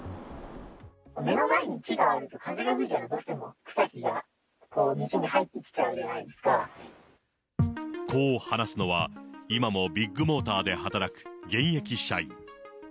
目の前に木があると風が吹いたらどうしても草木が店に入ってこう話すのは、今もビッグモーターで働く現役社員。